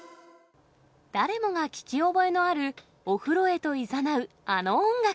誰もが聞き覚えのある、お風呂へといざなうあの音楽。